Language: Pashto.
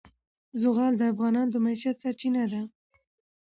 زغال د افغانانو د معیشت سرچینه ده.